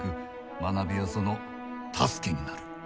学びはその助けになる。